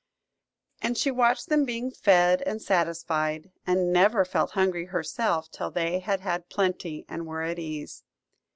And she watched them being fed and satisfied, and never felt hungry herself, till they had had plenty and were at ease.